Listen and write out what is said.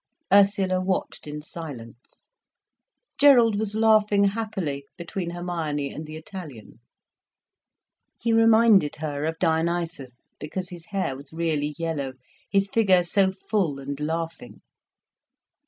Ursula watched in silence. Gerald was laughing happily, between Hermione and the Italian. He reminded her of Dionysos, because his hair was really yellow, his figure so full and laughing.